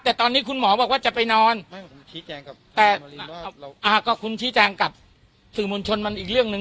แต่ตอนนี้คุณหมอบอกว่าจะไปนอนก็คุณชี้แจงกับสื่อมวลชนมันอีกเรื่องหนึ่ง